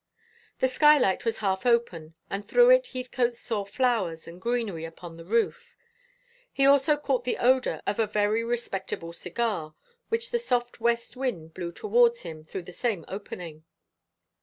The skylight was half open, and through it Heathcote saw flowers and greenery upon the roof. He also caught the odour of a very respectable cigar, which the soft west wind blew towards him through the same opening.